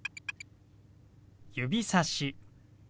指さし。